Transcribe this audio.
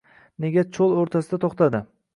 Nega cho‘l o‘rtasida to‘xtadi?